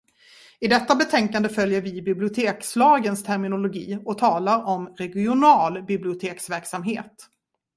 I detta betänkande följer vi bibliotekslagens terminologi och talar om regional biblioteksverksamhet.